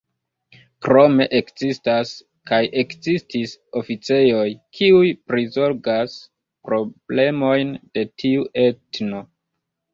Krome ekzistas kaj ekzistis oficejoj, kiuj prizorgas problemojn de tiu etno.